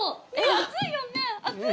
⁉厚いよね